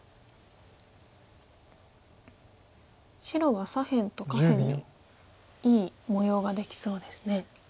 白は左辺と下辺にいい模様ができそうですね。